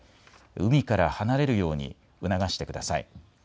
海から離れるように促してください。